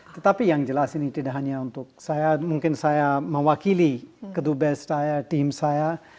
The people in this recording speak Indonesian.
tetapi yang jelas ini tidak hanya untuk saya mungkin saya mewakili kedubes saya tim saya